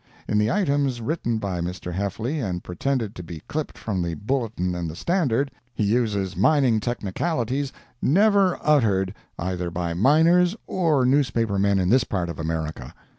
In the items written by Mr. Heffly, and pretended to be clipped from the Bulletin and the Standard, he uses mining technicalities never uttered either by miners or newspaper men in this part of America.